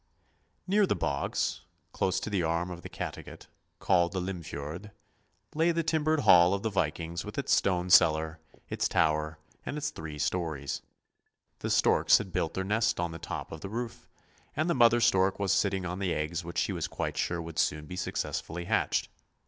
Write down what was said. Near the bogs, close to the arm of the Cattegat, called the Limfiord, lay the timbered hall of the Vikings with its stone cellar, its tower, and its three storeys. The storks had built their nest on the top of the roof, and the mother stork was sitting on the eggs which she was quite sure would soon be successfully hatched.